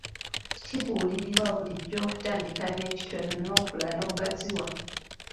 Kibuulirirwa bulijjo okutandika n'ekitono n'okula n'ogaziwa.